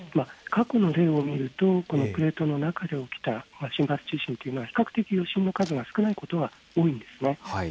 過去の例を見ると、このプレートの中で起きた地震というのは、比較的余震の数が少ないことが多いんですね。